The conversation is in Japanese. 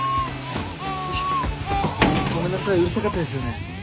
ごめんなさいうるさかったですよね。